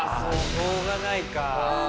しょうがないか。